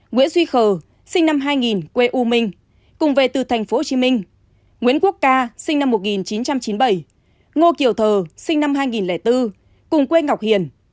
nguyễn duy khờ sinh năm hai nghìn quê u minh cùng về từ tp hcm nguyễn quốc ca sinh năm một nghìn chín trăm chín mươi bảy ngô kiều sinh năm hai nghìn bốn cùng quê ngọc hiền